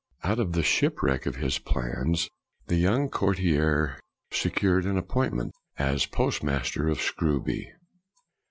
Out of the shipwreck of his plans, the young courtier secured an appointment as postmaster of Scrooby.